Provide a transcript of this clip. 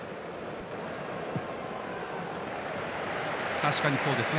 確かにそうですね。